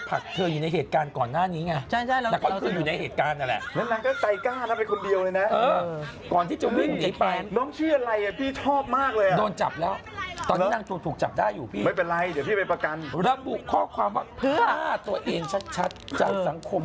ถ้าว่าเรื่องนี่ทำไม้จบ